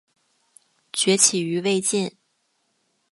崛起于魏晋。